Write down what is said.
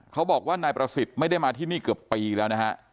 เขาบอกว่านายประสิทธิ์ไม่ได้มาที่นี่เกือบปีแล้วนะฮะ